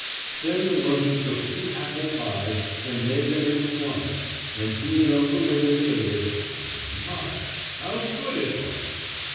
Then the monkey took two apple pies and made them into one, and he and Uncle Wiggily ate it, and my! how good it was.